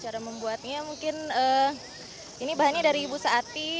cara membuatnya mungkin ini bahannya dari ibu saati